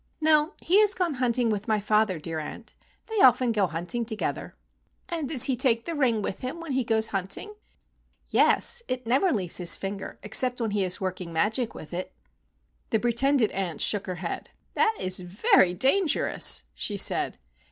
"No, he has gone hunting with my father, dear aunt. They often go hunting together." "And does he take the ring with him when he goes hunting?" "Yes; it never leaves his finger except when he is working magic with it." The pretended aunt shook her head. "That is very dangerous," she said.